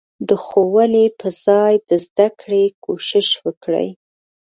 د ښوونې په ځای د زدکړې کوشش وکړي.